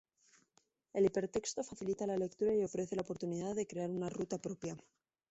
El hipertexto facilita la lectura y ofrece la oportunidad de crear una ruta propia.